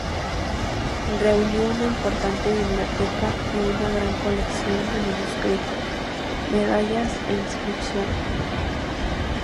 Reunió una importante biblioteca y una gran colección de manuscritos, medallas e inscripciones.